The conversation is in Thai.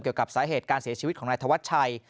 เกี่ยวกับสาเหตุการเสียชีวิตของนายธวัชชัย